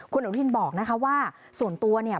คุณอนุทินบอกนะคะว่าส่วนตัวเนี่ย